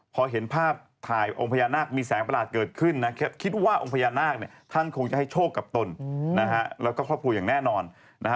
พอเห็นภาพถ่ายองค์พญานาคมีแสงประหลาดเกิดขึ้นนะคิดว่าองค์พญานาคท่านคงจะให้โชคกับตนแล้วก็ครอบครัวอย่างแน่นอน